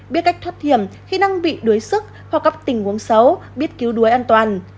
biết cách thoát hiểm khi năng bị đuối sức hoặc gặp tình huống xấu biết cứu đuối an toàn